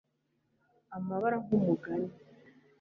Amabara nkumugani